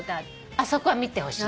あそこは見てほしい。